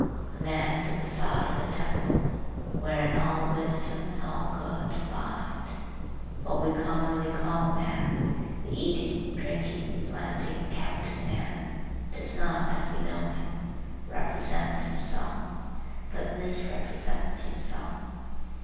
A man is the facade of a temple wherein all wisdom and all good abide. What we commonly call man, the eating, drinking, planting, counting man, does not, as we know him, represent himself, but misrepresents himself.